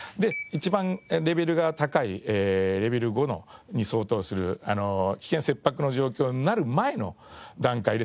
一番レベルが高いレベル５に相当する危険切迫の状況になる前の段階ですよね。